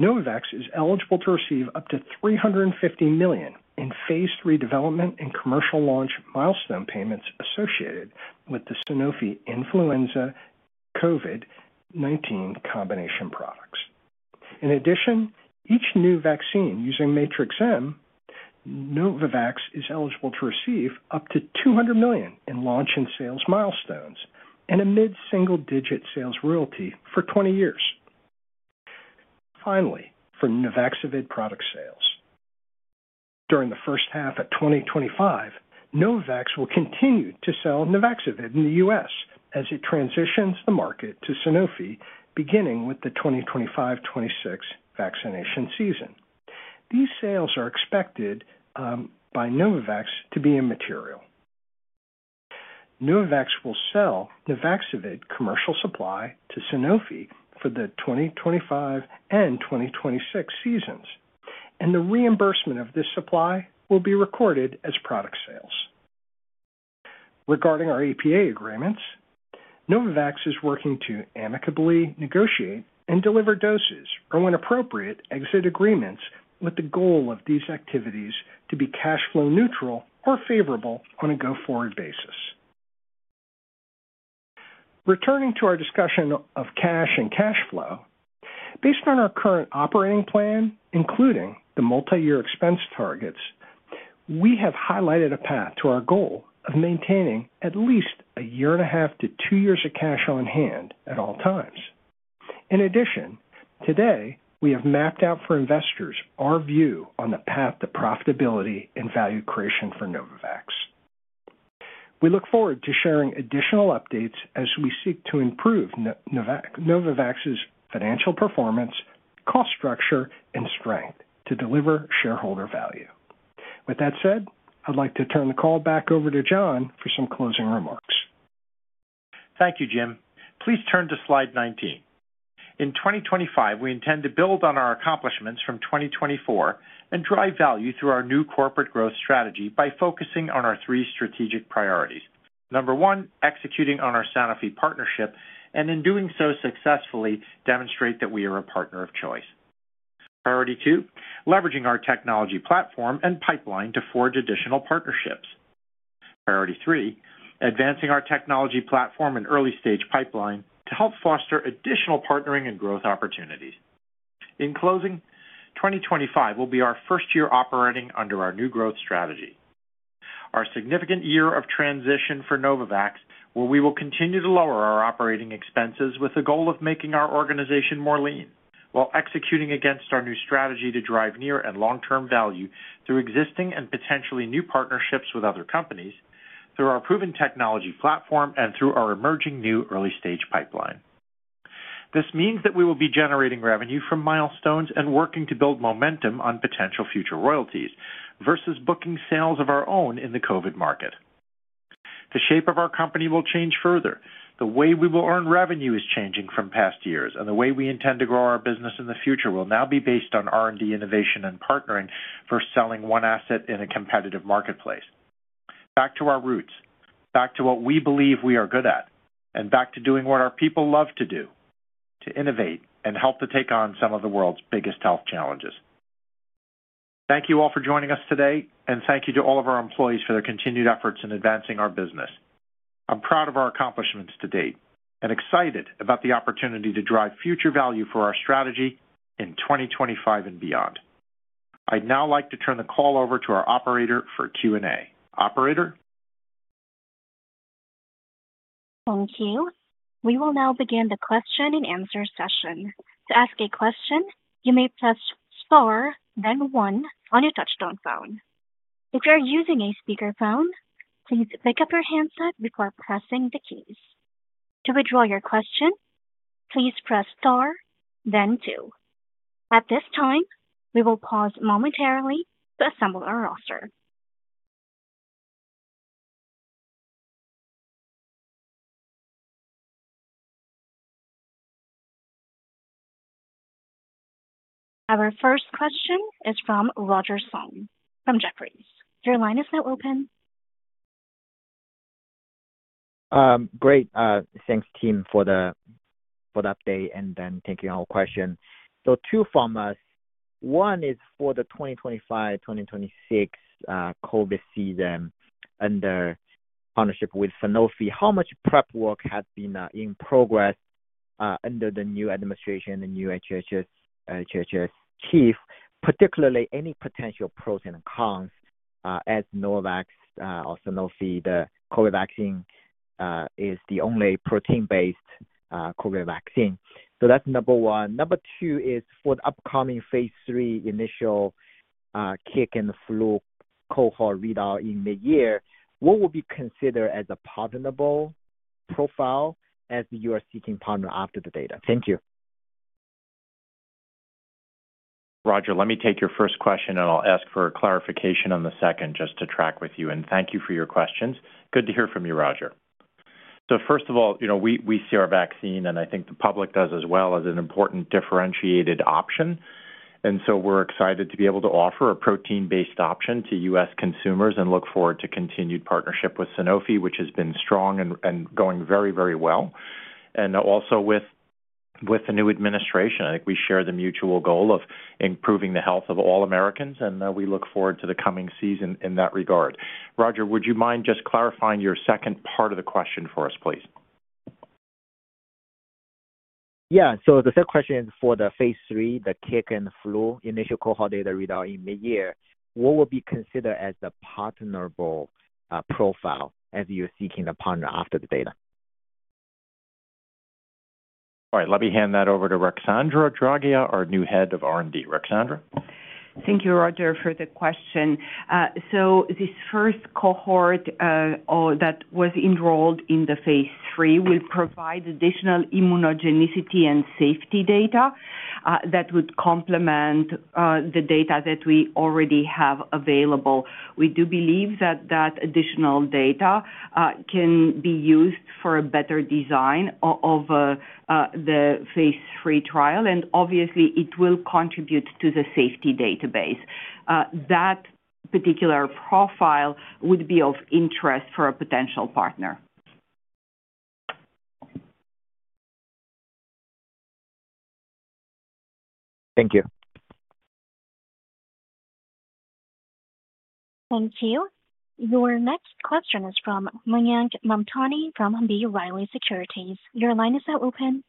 Novavax is eligible to receive up to $350 million in phase 3 development and commercial launch milestone payments associated with the Sanofi influenza and COVID-19 combination products. In addition, each new vaccine using Matrix-M, Novavax is eligible to receive up to $200 million in launch and sales milestones and a mid-single-digit sales royalty for 20 years. Finally, for Nuvaxovid product sales, during the first half of 2025, Novavax will continue to sell Nuvaxovid in the U.S. as it transitions the market to Sanofi, beginning with the 2025-2026 vaccination season. These sales are expected by Novavax to be immaterial. Novavax will sell Nuvaxovid commercial supply to Sanofi for the 2025 and 2026 seasons, and the reimbursement of this supply will be recorded as product sales. Regarding our APA agreements, Novavax is working to amicably negotiate and deliver doses or, when appropriate, exit agreements with the goal of these activities to be cash flow neutral or favorable on a go forward basis. Returning to our discussion of cash and cash flow, based on our current operating plan, including the multi-year expense targets, we have highlighted a path to our goal of maintaining at least a year and a half to two years of cash on hand at all times. In addition, today, we have mapped out for investors our view on the path to profitability and value creation for Novavax. We look forward to sharing additional updates as we seek to improve Novavax's financial performance, cost structure, and strength to deliver shareholder value. With that said, I'd like to turn the call back over to John for some closing remarks. Thank you, Jim. Please turn to Slide 19. In 2025, we intend to build on our accomplishments from 2024 and drive value through our new corporate growth strategy by focusing on our three strategic priorities. Number one, executing on our Sanofi partnership and, in doing so successfully, demonstrate that we are a partner of choice. Priority two, leveraging our technology platform and pipeline to forge additional partnerships. Priority three, advancing our technology platform and early stage pipeline to help foster additional partnering and growth opportunities. In closing, 2025 will be our first year operating under our new growth strategy. Our significant year of transition for Novavax, where we will continue to lower our operating expenses with the goal of making our organization more lean, while executing against our new strategy to drive near and long-term value through existing and potentially new partnerships with other companies, through our proven technology platform, and through our emerging new early stage pipeline. This means that we will be generating revenue from milestones and working to build momentum on potential future royalties versus booking sales of our own in the COVID market. The shape of our company will change further. The way we will earn revenue is changing from past years, and the way we intend to grow our business in the future will now be based on R&D innovation and partnering for selling one asset in a competitive marketplace. Back to our roots, back to what we believe we are good at, and back to doing what our people love to do, to innovate and help to take on some of the world's biggest health challenges. Thank you all for joining us today, and thank you to all of our employees for their continued efforts in advancing our business. I'm proud of our accomplishments to date and excited about the opportunity to drive future value for our strategy in 2025 and beyond. I'd now like to turn the call over to our operator for Q&A. Operator? Thank you. We will now begin the question and answer session. To ask a question, you may press Star then One on your touch-tone phone. If you're using a speakerphone, please pick up your handset before pressing the keys. To withdraw your question, please press Star then Two. At this time, we will pause momentarily to assemble our roster. Our first question is from Roger Song from Jefferies. Your line is now open. Great. Thanks, team, for the update and then taking our question. So two from us. One is for the 2025-2026 COVID season under partnership with Sanofi. How much prep work has been in progress under the new administration and the new HHS chief, particularly any potential pros and cons as Novavax or Sanofi, the COVID vaccine is the only protein-based COVID vaccine? So that's number one. Number two is for the upcoming Phase III initial CIC and flu cohort readout in mid-year, what would be considered as a patentable profile as you are seeking partner after the data? Thank you. Roger, let me take your first question, and I'll ask for a clarification on the second just to track with you. Thank you for your questions. Good to hear from you, Roger. First of all, we see our vaccine, and I think the public does as well, as an important differentiated option. We're excited to be able to offer a protein-based option to U.S. consumers and look forward to continued partnership with Sanofi, which has been strong and going very, very well. Also with the new administration, I think we share the mutual goal of improving the health of all Americans, and we look forward to the coming season in that regard. Roger, would you mind just clarifying your second part of the question for us, please? Yeah. The third question is for the Phase III, the CIC and flu initial cohort data readout in mid-year, what would be considered as the palatable profile as you're seeking a partner after the data? All right. Let me hand that over to Ruxandra Draghia, our new head of R&D. Ruxandra? Thank you, Roger, for the question. So this first cohort that was enrolled in the Phase III will provide additional immunogenicity and safety data that would complement the data that we already have available. We do believe that that additional data can be used for a better design of the Phase III Trial, and obviously, it will contribute to the safety database. That particular profile would be of interest for a potential partner. Thank you. Thank you. Your next question is from Mayank Mamtani from B. Riley Securities. Your line is now open.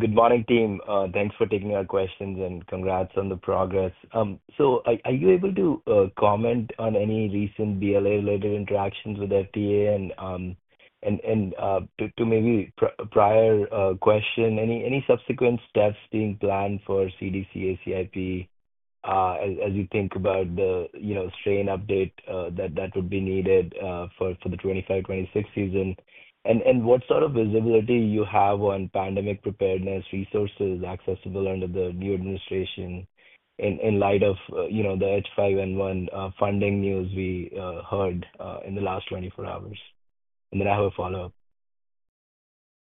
Good morning, team. Thanks for taking our questions and congrats on the progress. So are you able to comment on any recent BLA-related interactions with FDA? And to maybe prior question, any subsequent steps being planned for CDC, ACIP as you think about the strain update that would be needed for the 25-26 season? And what sort of visibility do you have on pandemic preparedness, resources accessible under the new administration in light of the H5N1 funding news we heard in the last 24 hours? And then I have a follow-up.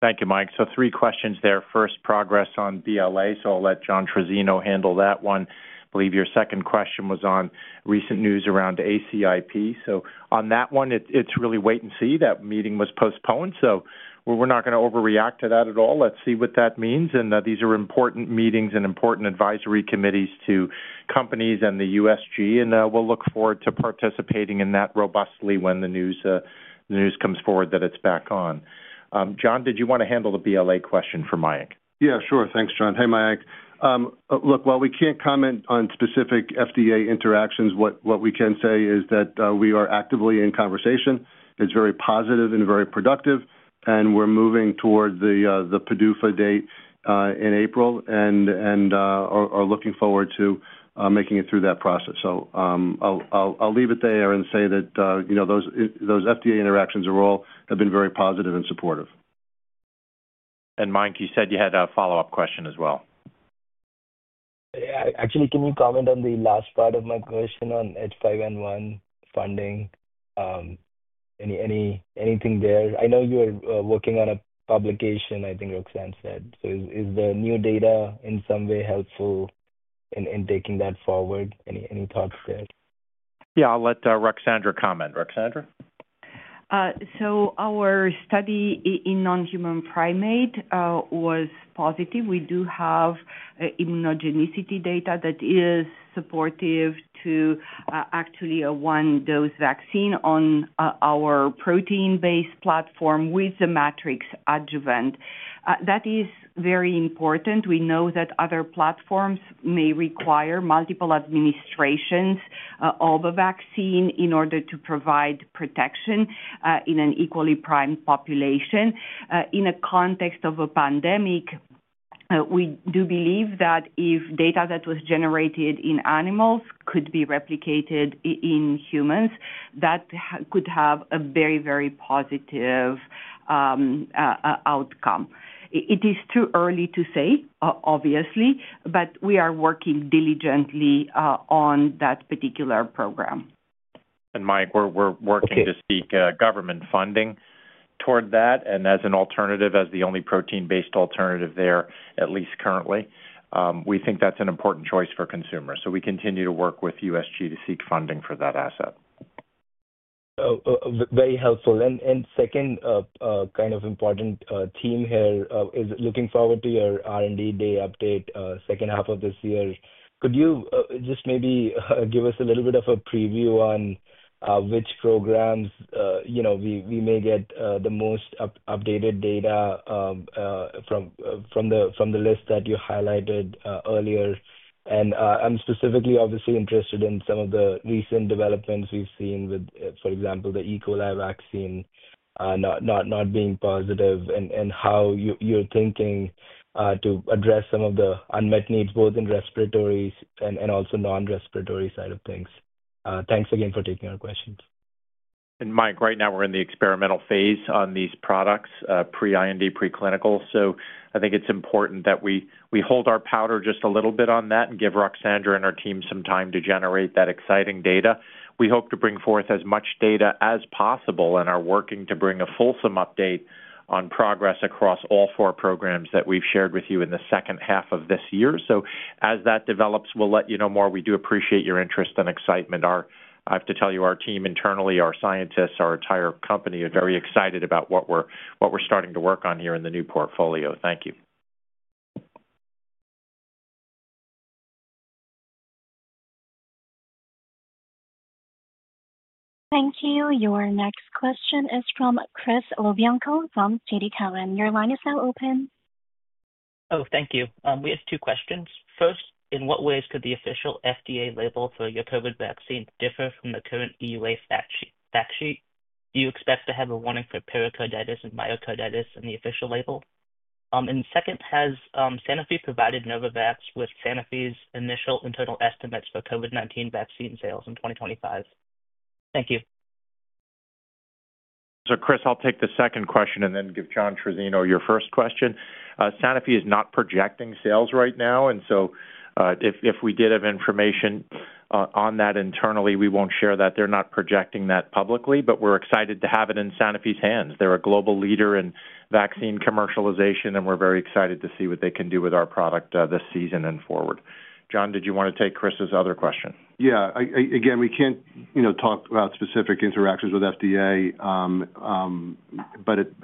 Thank you, Mayank. So three questions there. First, progress on BLA. So I'll let John Trizzino handle that one. I believe your second question was on recent news around ACIP. So on that one, it's really wait and see. That meeting was postponed. So we're not going to overreact to that at all. Let's see what that means. And these are important meetings and important advisory committees to companies and the USG. We'll look forward to participating in that robustly when the news comes forward that it's back on. John, did you want to handle the BLA question for Mike? Yeah, sure. Thanks, John. Hey, Mayank. Look, while we can't comment on specific FDA interactions, what we can say is that we are actively in conversation. It's very positive and very productive. We're moving toward the PDUFA date in April and are looking forward to making it through that process. I'll leave it there and say that those FDA interactions have been very positive and supportive. Mayank, you said you had a follow-up question as well. Actually, can you comment on the last part of my question on H5N1 funding? Anything there? I know you're working on a publication, I think Ruxandra said. So is the new data in some way helpful in taking that forward? Any thoughts there? Yeah, I'll let Ruxandra comment. Ruxandra? So our study in non-human primate was positive. We do have immunogenicity data that is supportive to actually a one-dose vaccine on our protein-based platform with the Matrix-M adjuvant. That is very important. We know that other platforms may require multiple administrations of a vaccine in order to provide protection in an equally primed population. In a context of a pandemic, we do believe that if data that was generated in animals could be replicated in humans, that could have a very, very positive outcome. It is too early to say, obviously, but we are working diligently on that particular program. And Mayank, we're working to seek government funding toward that. And as an alternative, as the only protein-based alternative there, at least currently, we think that's an important choice for consumers. So we continue to work with USG to seek funding for that asset. Very helpful. And second kind of important theme here is looking forward to your R&D day update, second half of this year. Could you just maybe give us a little bit of a preview on which programs we may get the most updated data from the list that you highlighted earlier? And I'm specifically, obviously, interested in some of the recent developments we've seen with, for example, the E. coli vaccine not being positive and how you're thinking to address some of the unmet needs, both in respiratory and also non-respiratory side of things. Thanks again for taking our questions. And Mayank, right now, we're in the experimental phase on these products, pre-IND, preclinical. So I think it's important that we hold our powder just a little bit on that and give Ruxandra and our team some time to generate that exciting data. We hope to bring forth as much data as possible and are working to bring a fulsome update on progress across all four programs that we've shared with you in the second half of this year. So as that develops, we'll let you know more. We do appreciate your interest and excitement. I have to tell you, our team internally, our scientists, our entire company are very excited about what we're starting to work on here in the new portfolio. Thank you. Thank you. Your next question is from Chris LoBianco from Cantor Fitzgerald. Your line is now open. Oh, thank you. We have two questions. First, in what ways could the official FDA label for your COVID vaccine differ from the current EUA fact sheet? Do you expect to have a warning for pericarditis and myocarditis in the official label? And second, has Sanofi provided Novavax with Sanofi's initial internal estimates for COVID-19 vaccine sales in 2025? Thank you. So Chris, I'll take the second question and then give John Trizzino your first question. Sanofi is not projecting sales right now. And so if we did have information on that internally, we won't share that. They're not projecting that publicly, but we're excited to have it in Sanofi's hands. They're a global leader in vaccine commercialization, and we're very excited to see what they can do with our product this season and forward. John, did you want to take Chris's other question? Yeah. Again, we can't talk about specific interactions with FDA,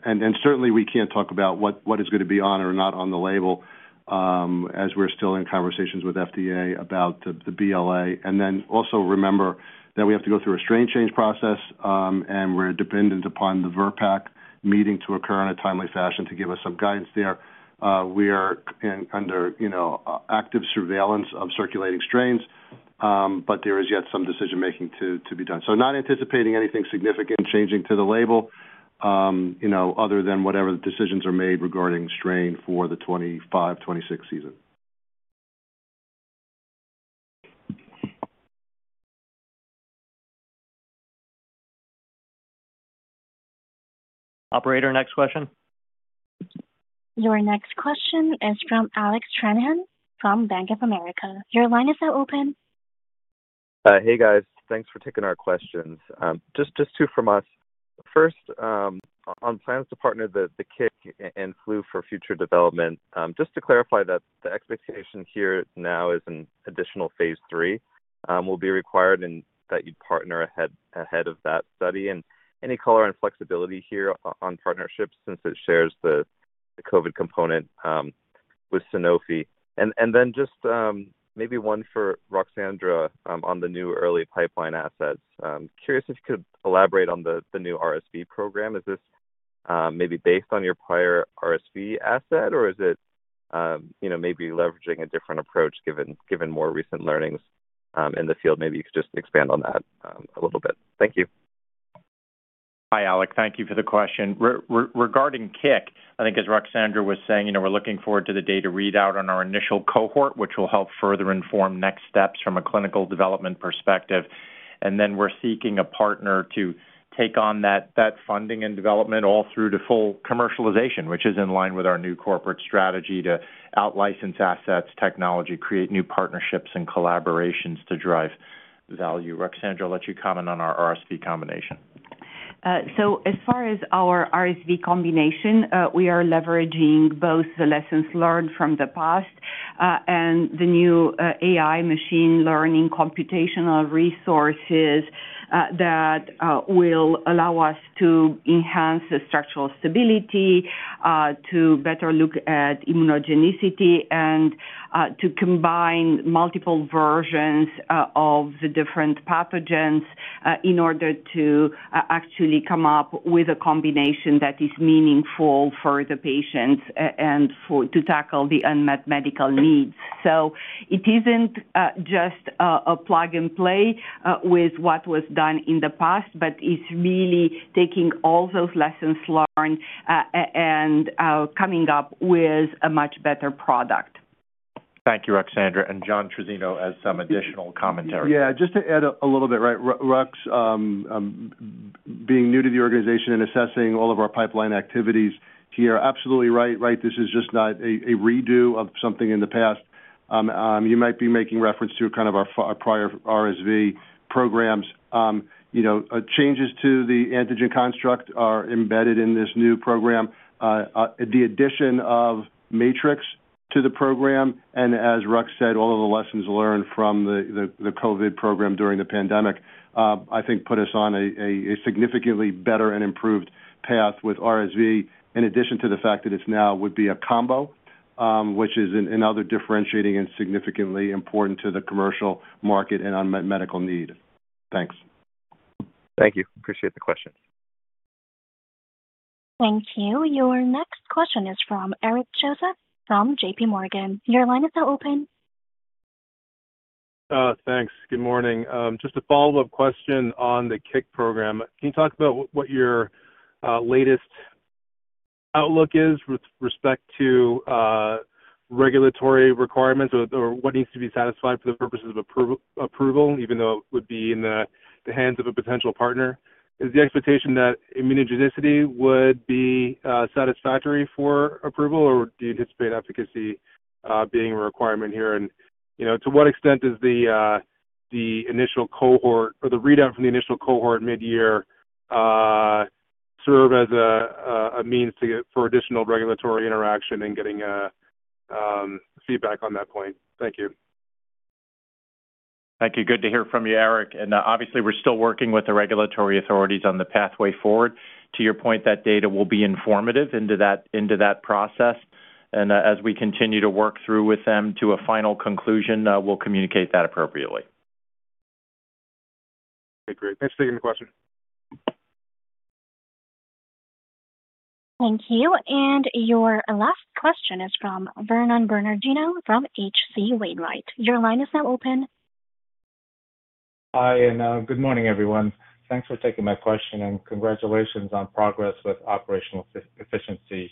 and certainly, we can't talk about what is going to be on or not on the label as we're still in conversations with FDA about the BLA. And then also remember that we have to go through a strain change process, and we're dependent upon the VRBPAC meeting to occur in a timely fashion to give us some guidance there. We are under active surveillance of circulating strains, but there is yet some decision-making to be done. So not anticipating anything significant changing to the label other than whatever the decisions are made regarding strain for the '25-'26 season. Operator, next question. Your next question is from Alec Stranahan from Bank of America. Your line is now open. Hey, guys. Thanks for taking our questions. Just two from us. First, on plans to partner the CIC and flu for future development, just to clarify that the expectation here now is an additional Phase III will be required and that you'd partner ahead of that study, and any color on flexibility here on partnerships since it shares the COVID component with Sanofi, and then just maybe one for Ruxandra on the new early pipeline assets. Curious if you could elaborate on the new RSV program? Is this maybe based on your prior RSV asset, or is it maybe leveraging a different approach given more recent learnings in the field? Maybe you could just expand on that a little bit. Thank you. Hi, Alec. Thank you for the question. Regarding CIC, I think, as Ruxandra was saying, we're looking forward to the data readout on our initial cohort, which will help further inform next steps from a clinical development perspective. And then we're seeking a partner to take on that funding and development all through to full commercialization, which is in line with our new corporate strategy to out-license assets, technology, create new partnerships, and collaborations to drive value. Ruxandra, I'll let you comment on our RSV combination. So as far as our RSV combination, we are leveraging both the lessons learned from the past and the new AI machine learning computational resources that will allow us to enhance the structural stability, to better look at immunogenicity, and to combine multiple versions of the different pathogens in order to actually come up with a combination that is meaningful for the patients and to tackle the unmet medical needs. So it isn't just a plug and play with what was done in the past, but it's really taking all those lessons learned and coming up with a much better product. Thank you, Ruxandra. John Trizzino has some additional commentary. Yeah, just to add a little bit, right? Rux, being new to the organization and assessing all of our pipeline activities here, absolutely right. Right. This is just not a redo of something in the past. You might be making reference to kind of our prior RSV programs. Changes to the antigen construct are embedded in this new program. The addition of Matrix to the program, and as Rux said, all of the lessons learned from the COVID program during the pandemic, I think put us on a significantly better and improved path with RSV, in addition to the fact that it now would be a combo, which is another differentiating and significantly important to the commercial market and unmet medical need. Thanks. Thank you. Appreciate the question. Thank you. Your next question is from Eric Joseph from JPMorgan. Your line is now open. Thanks. Good morning. Just a follow-up question on the CIC program. Can you talk about what your latest outlook is with respect to regulatory requirements or what needs to be satisfied for the purposes of approval, even though it would be in the hands of a potential partner? Is the expectation that immunogenicity would be satisfactory for approval, or do you anticipate efficacy being a requirement here? And to what extent does the initial cohort or the readout from the initial cohort mid-year serve as a means for additional regulatory interaction and getting feedback on that point? Thank you. Thank you. Good to hear from you, Eric. And obviously, we're still working with the regulatory authorities on the pathway forward. To your point, that data will be informative into that process. And as we continue to work through with them to a final conclusion, we'll communicate that appropriately. Okay. Great. Thanks for taking the question. Thank you. And your last question is from Vernon Bernardino from H.C. Wainwright. Your line is now open. Hi. And good morning, everyone. Thanks for taking my question. And congratulations on progress with operational efficiency.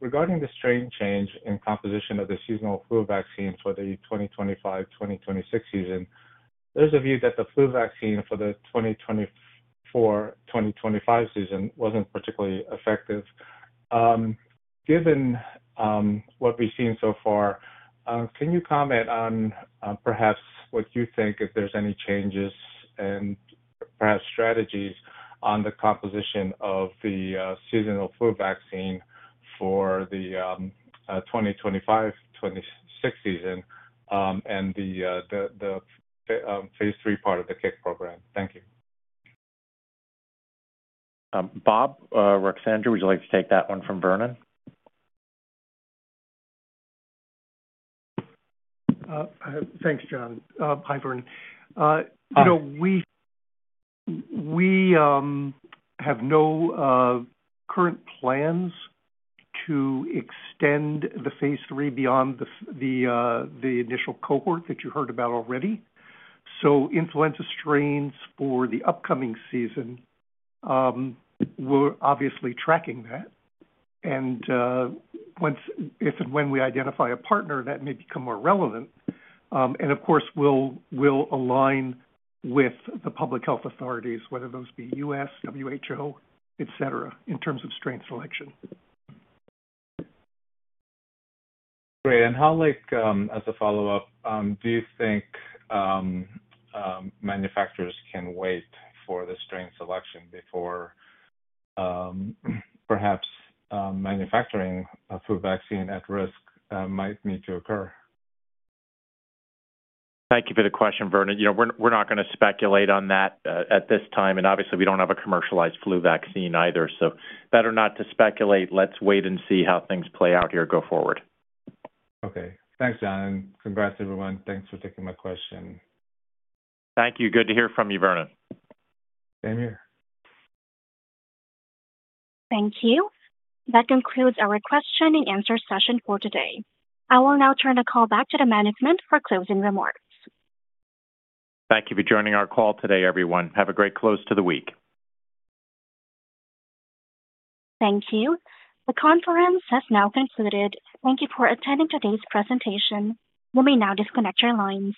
Regarding the strain change in composition of the seasonal flu vaccine for the 2025-2026 season, there's a view that the flu vaccine for the 2024-2025 season wasn't particularly effective. Given what we've seen so far, can you comment on perhaps what you think if there's any changes and perhaps strategies on the composition of the seasonal flu vaccine for the 2025-2026 season and the Phase III part of the CIC program? Thank you. Bob, Ruxandra, would you like to take that one from Vernon? Thanks, John. Hi, Vernon. We have no current plans to extend the Phase III beyond the initial cohort that you heard about already. So influenza strains for the upcoming season, we're obviously tracking that. And if and when we identify a partner, that may become more relevant. And of course, we'll align with the public health authorities, whether those be U.S., WHO, etc., in terms of strain selection. Great. And how, as a follow-up, do you think manufacturers can wait for the strain selection before perhaps manufacturing a flu vaccine at risk might need to occur? Thank you for the question, Vernon. We're not going to speculate on that at this time. And obviously, we don't have a commercialized flu vaccine either. So better not to speculate. Let's wait and see how things play out here go forward. Okay. Thanks, John. And congrats, everyone. Thanks for taking my question. Thank you. Good to hear from you, Vernon. Same here. Thank you. That concludes our question and answer session for today. I will now turn the call back to the management for closing remarks. Thank you for joining our call today, everyone. Have a great close to the week. Thank you. The conference has now concluded. Thank you for attending today's presentation. We may now disconnect your lines.